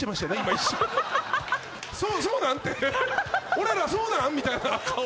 「俺らそうなん？」みたいな顔。